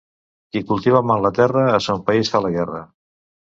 Qui cultiva mal la terra a son país fa la guerra.